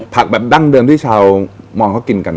แบบดั้งเดิมที่ชาวมองเขากินกัน